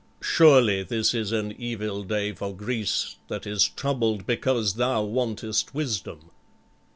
Surely this is an evil day for Greece, that is troubled because thou wantest wisdom."